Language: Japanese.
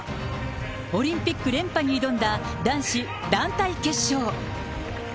オリンピック連覇に挑んだ男子団体決勝。